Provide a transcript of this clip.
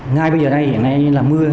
ngay bây giờ này hiện nay là mưa